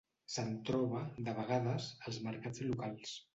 Se'n troba, de vegades, als mercats locals.